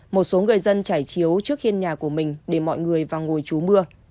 một số người dân chảy chiếu trước hiên nhà của mình để mọi người vào ngồi chú mưa